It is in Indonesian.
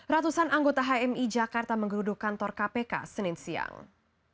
ratusan anggota hmi jakarta menggeruduk kantor kpk senin siang